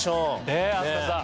ねえ飛鳥さん。